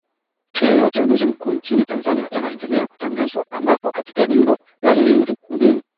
keo ya uchanguzi mkuu nchini tanzania yanaendelea kutagazwa ambapo katika jimbo la lindi mjini